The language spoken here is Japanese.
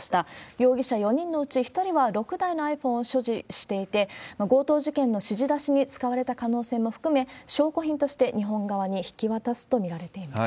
容疑者４人のうち１人は６台のｉＰｈｏｎｅを所持していて、強盗事件の指示出しに使われた可能性も含め、証拠品として日本側に引き渡すと見られています。